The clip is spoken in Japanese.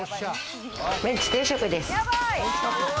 メンチ定食です。